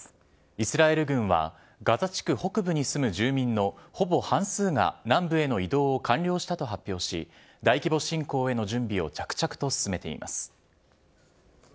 イスラエル軍は、ガザ地区北部に住む住民のほぼ半数が南部への移動を完了したと発表し、大規模侵攻への準備を着々と進めています。